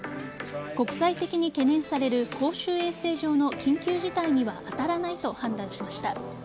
国際的に懸念される公衆衛生上の緊急事態には当たらないと判断しました。